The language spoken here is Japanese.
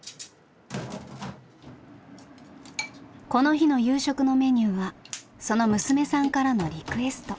この日の夕食のメニューはその娘さんからのリクエスト。